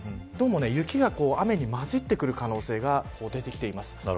雪が雨にまじってくる可能性が出てきています。